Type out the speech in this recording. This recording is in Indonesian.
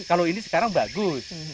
kalau ini sekarang bagus